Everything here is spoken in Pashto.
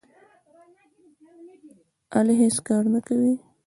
علي هېڅ کار نه کوي.